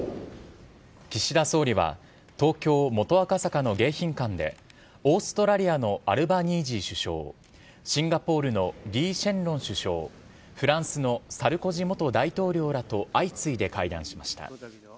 岸田総理は、東京・元赤坂の迎賓館で、オーストラリアのアルバニージー首相、シンガポールのリー・シェンロン首相、フランスのサルコジ元大統領らと相次いで会談しました。